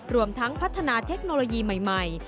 รวมทั้งพัฒนาเทคโนโลยีใหม่